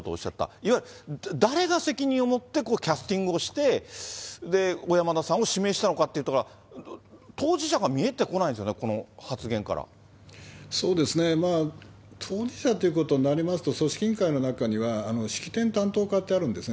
いわゆる誰が責任を持ってキャスティングをして、小山田さんを指名したのかってところが、当事者が見えてこないんそうですね、当事者ということになりますと、組織委員会の中には式典担当課ってあるんですね。